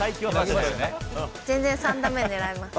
全然３打目、狙えます。